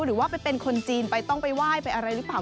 หรือว่าไปเป็นคนจีนไปต้องไปไหว้ไปอะไรหรือเปล่า